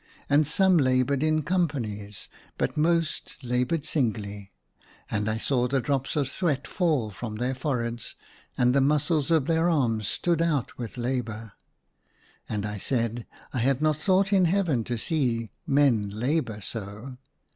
And some laboured in companies, but most laboured singly. And I saw the drops of sweat fall from their foreheads, and the muscles of their arms stand out with labour. And I said, " I had not thought in heaven to see men labour so